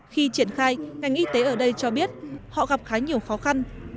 khi triển khai ngành y tế ở đây cho biết họ gặp khá nhiều khó khăn